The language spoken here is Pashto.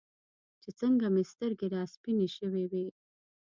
چې څنګه مې سترګې راسپینې شوې وې.